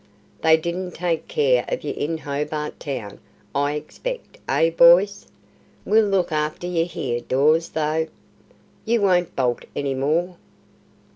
They didn't take care of yer in Hobart Town, I expect, eh, boys? We'll look after yer here, Dawes, though. You won't bolt any more."